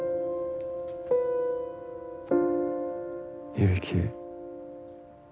響。